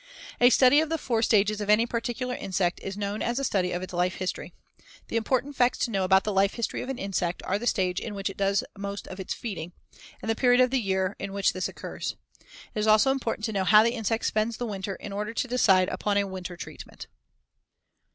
A study of the four stages of any particular insect is known as a study of its life history. The important facts to know about the life history of an insect are the stage in which it does most of its feeding, and the period of the year in which this occurs. It is also important to know how the insect spends the winter in order to decide upon a winter treatment.